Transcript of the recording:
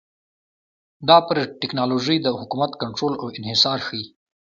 دا پر ټکنالوژۍ د حکومت کنټرول او انحصار ښيي